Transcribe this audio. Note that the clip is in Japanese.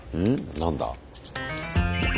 何だ？